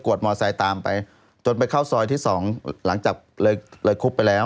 ดมอไซค์ตามไปจนไปเข้าซอยที่สองหลังจากเลยเลยคุบไปแล้ว